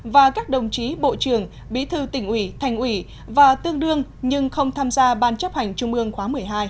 và các đồng chí bộ trưởng bí thư tỉnh ủy thành ủy và tương đương nhưng không tham gia ban chấp hành trung ương khóa một mươi hai